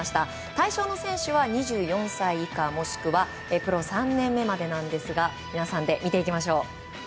対象の選手は２４歳以下もしくはプロ３年目までなんですが皆さんで見ていきましょう。